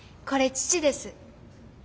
これ父です。